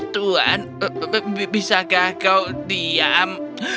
tuan bisakah kau diam